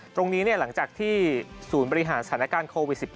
ตรงนี้หลังจากที่ศูนย์บริหารสถานการณ์โควิด๑๙